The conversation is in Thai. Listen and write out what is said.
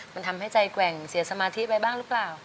มันทำให้ใจแกว่งเสียสมาธิไปบ้างหรือเปล่า